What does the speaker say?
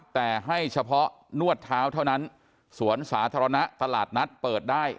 แต่ให้เฉพาะนวดเท้าเท่านั้นสวนสาธารณะตลาดนัดเปิดได้